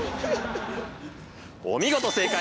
お見事正解！